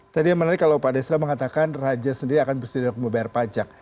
tadi yang menarik kalau pak desra mengatakan raja sendiri akan bersedia untuk membayar pajak